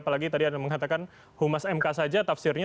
apalagi tadi anda mengatakan humas mk saja tafsirnya